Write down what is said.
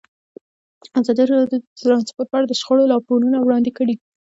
ازادي راډیو د ترانسپورټ په اړه د شخړو راپورونه وړاندې کړي.